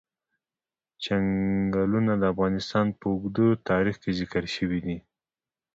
چنګلونه د افغانستان په اوږده تاریخ کې ذکر شوی دی.